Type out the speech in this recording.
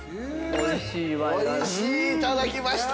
◆おいしい、いただきました！